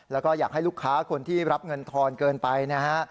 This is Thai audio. แล้วก็อยากให้ลูกค้าคนที่รับเงินทอนเกินไปนะฮะ